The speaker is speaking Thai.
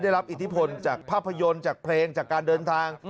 รับอิทธิพลจากภาพยนตร์จากเพลงจากการเดินทาง